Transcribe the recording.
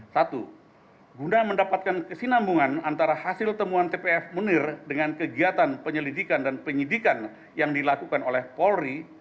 satu guna mendapatkan kesinambungan antara hasil temuan tpf munir dengan kegiatan penyelidikan dan penyidikan yang dilakukan oleh polri